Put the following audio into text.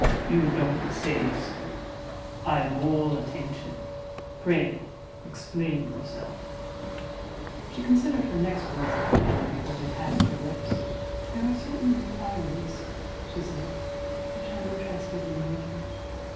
"You don't say so! I am all attention; pray explain yourself!" She considered her next words carefully before they passed her lips. "There are certain inquiries," she said, "which I am interested in making.